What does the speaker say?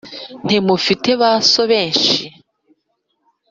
ntimufite ba so benshi.